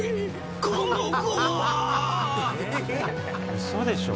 ウソでしょ？